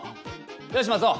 よしマツオ！